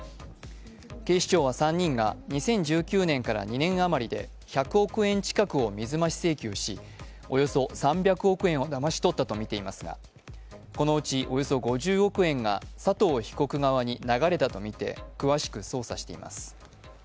警視庁は３人が２０１９年から２年あまりで１００億円近くを水増し請求し、およそ３００億円をだまし取ったとみていますがこのうち、およそ５０億円が佐藤被告側に流れたとみて詳しく捜査しています。